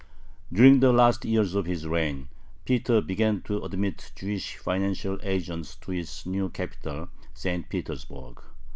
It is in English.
During the last years of his reign, Peter began to admit Jewish financial agents to his new capital, St. Petersburg.